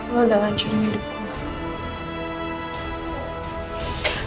lo udah lanjut hidup gue